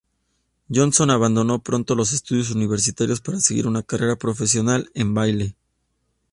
Johnson abandonó pronto los estudios universitarios para seguir una carrera profesional en baile.